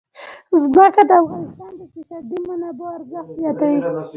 ځمکه د افغانستان د اقتصادي منابعو ارزښت زیاتوي.